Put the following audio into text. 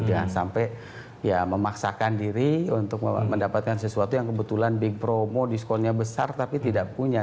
jangan sampai ya memaksakan diri untuk mendapatkan sesuatu yang kebetulan big promo diskonnya besar tapi tidak punya